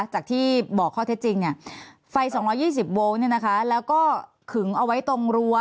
จากที่บอกข้อเท็จจริงเนี่ยไฟ๒๒๐โวลต์เนี่ยนะคะแล้วก็ขึงเอาไว้ตรงรั้ว